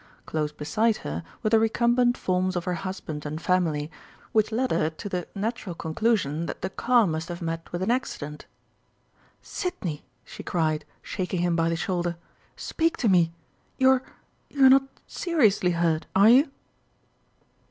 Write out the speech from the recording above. Close beside her were the recumbent forms of her husband and family, which led her to the natural conclusion that the car must have met with an accident. "Sidney!" she cried, shaking him by the shoulder. "Speak to me! You're you're not seriously hurt, are you?"